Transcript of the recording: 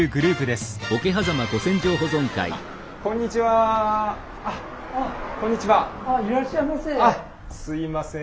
すいません